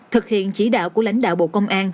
thực hiện chỉ đạo của lãnh đạo bộ công an